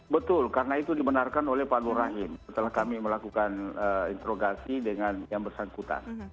betul karena itu dibenarkan oleh pak nur rahim setelah kami melakukan interogasi dengan yang bersangkutan